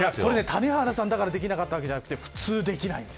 谷原さんだからできなかったわけじゃなくて普通できません。